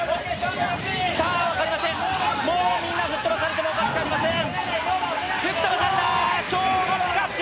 分かりません、もうみんな吹っ飛ばされてもおかしくありません。